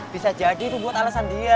bisa jadi itu buat alasan dia